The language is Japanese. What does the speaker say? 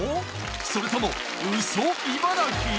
それともウソ茨城？